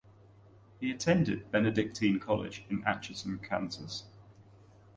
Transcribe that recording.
He attended Benedictine College in Atchison, Kansas.